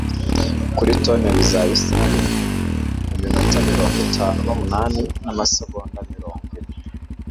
kuri tone bizaba isaha imwe, iminota mirongo itanu n'umunani n'amasegonda mirongo ine. (alanood